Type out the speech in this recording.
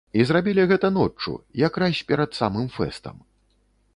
І зрабілі гэта ноччу, якраз перад самым фэстам.